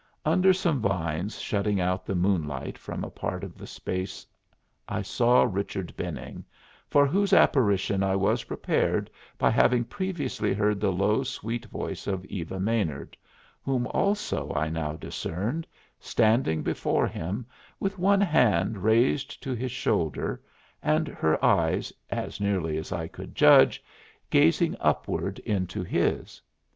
Under some vines shutting out the moonlight from a part of the space I saw Richard Benning, for whose apparition I was prepared by having previously heard the low, sweet voice of Eva Maynard, whom also I now discerned, standing before him with one hand raised to his shoulder and her eyes, as nearly as I could judge, gazing upward into his.